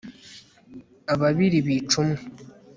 ababiri bica umwe